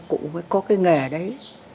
cụ mới có cái nghề đấy